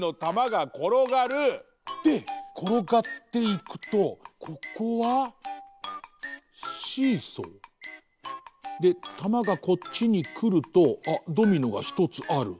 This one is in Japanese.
でころがっていくとここはシーソー？でたまがこっちにくるとあっドミノがひとつある。